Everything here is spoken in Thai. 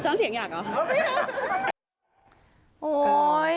น้องเสียงหยากเหรอ